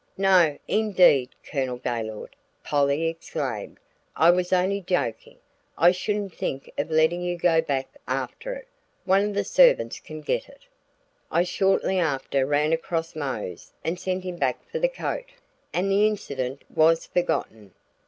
"No, indeed, Colonel Gaylord!" Polly exclaimed. "I was only joking; I shouldn't think of letting you go back after it. One of the servants can get it." I shortly after ran across Mose and sent him back for the coat, and the incident was forgotten.